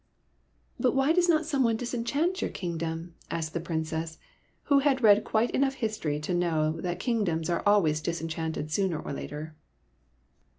V " But why does not someone disenchant your kingdom ?" asked the Princess, who had read quite enough history to know that kingdoms are always disenchanted sooner or later.